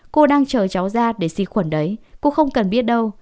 cô đang chờ cháu ra để xịt khuẩn đấy cô không cần biết đâu